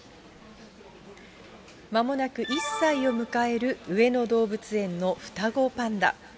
まもなく１歳を迎える上野動物園の双子パンダ。